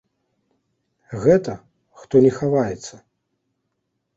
Гэта, хто не хаваецца.